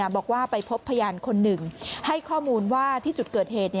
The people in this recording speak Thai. บอกว่าไปพบพยานคนหนึ่งให้ข้อมูลว่าที่จุดเกิดเหตุ